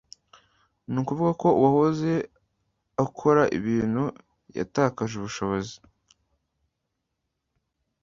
ni ukuvuga ko uwahoze akorai bintu, yatakaje ubushobozi